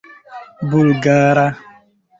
bulgara